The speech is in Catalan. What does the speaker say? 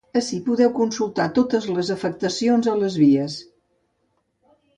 Ací podeu consultar totes les afectacions a les vies.